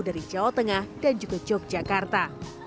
dari jawa tengah dan juga yogyakarta